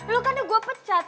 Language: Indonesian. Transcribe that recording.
lo kan udah gue pecat